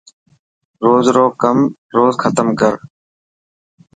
روز رو ڪم روز ختم ڪر.